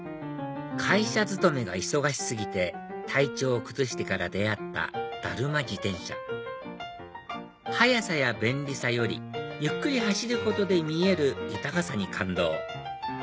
会社勤めが忙し過ぎて体調を崩してから出会っただるま自転車速さや便利さよりゆっくり走ることで見える豊かさに感動